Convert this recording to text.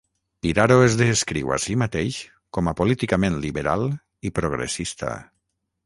Piraro es descriu a si mateix com a "políticament liberal i progressista".